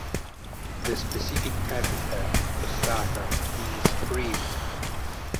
The specific epithet ("costata") means "ribbed".